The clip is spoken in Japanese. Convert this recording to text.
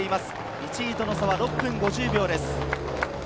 １位との差は６分５０秒です。